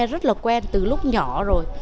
rất là quen từ lúc nhỏ rồi